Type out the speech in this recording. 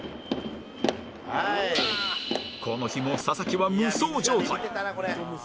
この日も佐々木は無双状態